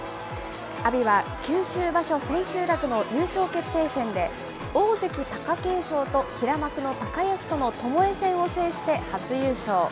阿炎は九州場所千秋楽の優勝決定戦で、大関・貴景勝と平幕の高安とのともえ戦を制して初優勝。